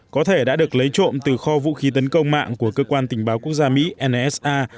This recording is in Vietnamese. có thể đã được lấy trộm từ kho vũ khí tấn công mạng của cơ quan tình báo quốc gia mỹ nasa